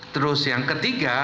terus yang ketiga